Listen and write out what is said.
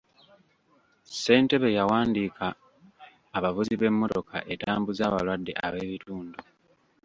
Ssentebe y'awandiika abavuzi b'emmotoka etambuza abalwadde ab'ebitundu.